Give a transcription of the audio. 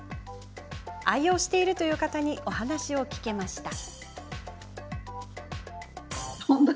愛用しているという方にお話を聞けました。